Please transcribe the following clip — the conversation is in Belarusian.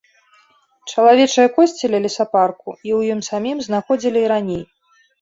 Чалавечыя косці ля лесапарку і ў ім самім знаходзілі і раней.